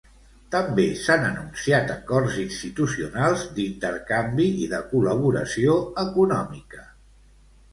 També s'han anunciat acords institucionals, d'intercanvi i de col·laboració econòmica.